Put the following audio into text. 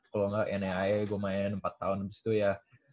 kalo ga nai gua main empat tahun abis itu ya